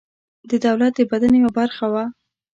د دولت د بدن یوه برخه وه.